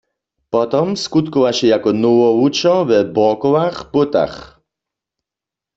Potom skutkowaše jako nowowučer we Borkowach w Błótach.